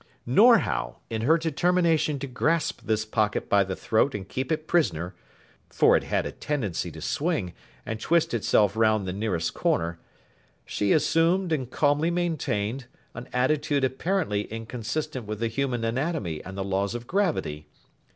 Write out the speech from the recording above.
Nor how, in her determination to grasp this pocket by the throat and keep it prisoner (for it had a tendency to swing, and twist itself round the nearest corner), she assumed and calmly maintained, an attitude apparently inconsistent with the human anatomy and the laws of gravity.